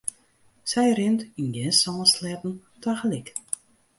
Sy rint yn gjin sân sleatten tagelyk.